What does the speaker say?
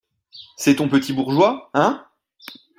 C'est ton petit bourgeois, hein?